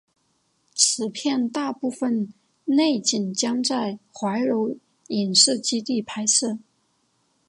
此片大部分内景将在怀柔影视基地拍摄。